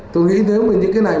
tôi nghĩ nếu mà những cái này